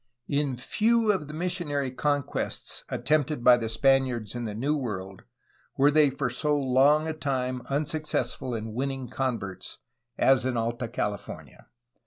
In few of the missionary conquests attempted by the Spaniards in the New World were they for so long a time un successful in winning converts as in Alta California.